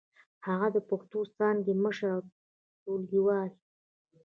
هغه د پښتو څانګې مشر او ټولګيوال و.